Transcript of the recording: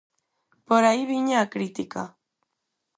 Por aí viña a crítica.